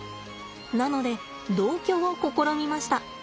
なので同居を試みました。